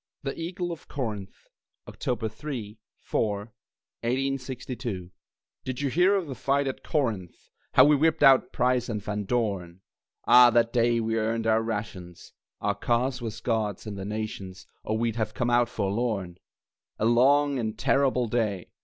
THE EAGLE OF CORINTH [October 3, 4, 1862] Did you hear of the fight at Corinth, How we whipped out Price and Van Dorn? Ah, that day we earned our rations (Our cause was God's and the Nation's, Or we'd have come out forlorn!) A long and terrible day!